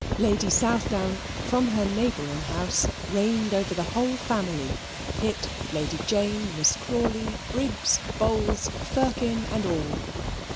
Lady Southdown, from her neighbouring house, reigned over the whole family Pitt, Lady Jane, Miss Crawley, Briggs, Bowls, Firkin, and all.